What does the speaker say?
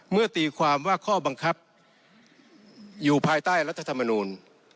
ตีความว่าข้อบังคับอยู่ภายใต้รัฐธรรมนูล